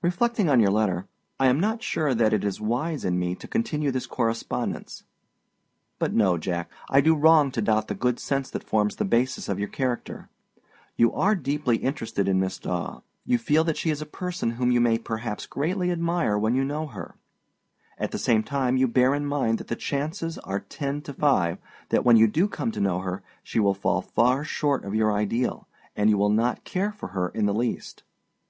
Reflecting on your letter, I am not sure that it is wise in me to continue this correspondence. But no, Jack; I do wrong to doubt the good sense that forms the basis of your character. You are deeply interested in Miss Daw; you feel that she is a person whom you may perhaps greatly admire when you know her: at the same time you bear in mind that the chances are ten to five that, when you do come to know her, she will fall far short of your ideal, and you will not care for her in the least.